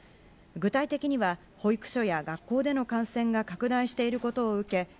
具体的には保育所や学校での感染が拡大していることを受け